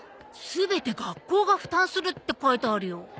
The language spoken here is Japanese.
全て学校が負担するって書いてあるよ。